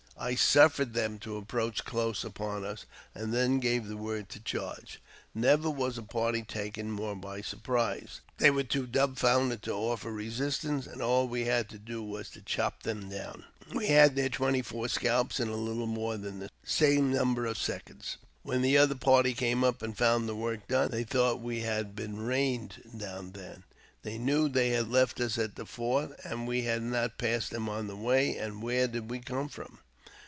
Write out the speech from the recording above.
I suffered them to approach close upon us, and then gave the word to charge. Never was a ^^ party taken more by surprise ; they were too dumbfoundered toil offer resistance, and all we had to do was to chop them down. '" "We had their twenty four scalps in little more than the same number of seconds. When the other party came up and found the work done, they thought we had been rained down there. They knew they had left us at the fort, and we had not passed them on the way, and where did we come from